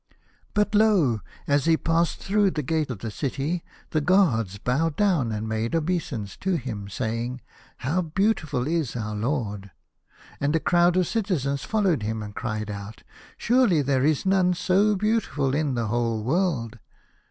But lo ! as he passed through the gate of the city, the guards bowed down and made obeisance to him, saying, " How beautiful is our lord !" and a crowd of citizens followed him, and cried out, "Surely there is none so beautiful in the whole world